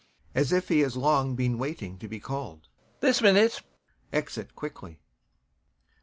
[As if he has long been waiting to be called] This minute. [Exit quickly.